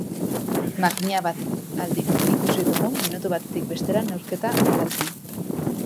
Makina bat aldiz ikusi dugu minutu batetik bestera neurketa aldatzen.